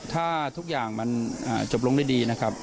ถ้าทุกอย่างมันจบลงด้วยดีนะครับ